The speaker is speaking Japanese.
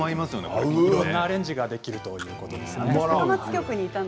いろんなアレンジができるということでした。